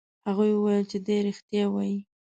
هغوی وویل چې دی رښتیا وایي.